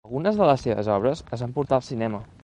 Algunes de les seves obres es van portar al cinema.